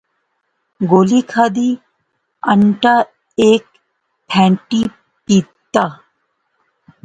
گولی کھادی، انٹا ہیک پھینٹی پی تہ